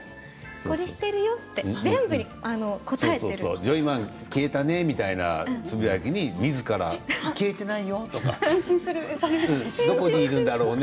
これしてるよジョイマン消えたというつぶやきにみずから消えてないよとかどこにいるんだろうね